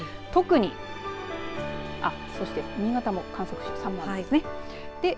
特にそして新潟も観測史上３番目ですね。